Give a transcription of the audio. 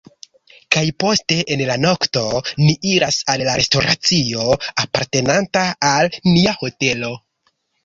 kaj poste en la nokto, ni iras al la restoracio apartenanta al nia hotelo